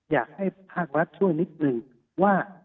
อยากให้ภาครัฐช่วยนิดหนึ่งว่า